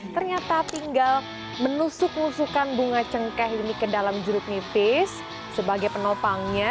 ternyata tinggal menusuk nusukan bunga cengkeh ini ke dalam jeruk nipis sebagai penopangnya